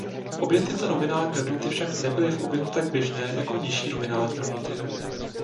Obě tyto nominální hodnoty však nebyly v oběhu tak běžné jako nižší nominální hodnoty.